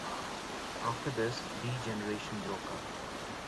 After this, D Generation broke up.